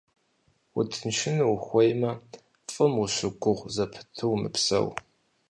Утыншыну ухуеймэ, фӀым ущыгугъ зэпыту умыпсэу.